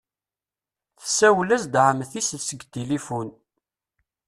Tessawel-as-d Ɛemti-s seg tilifun.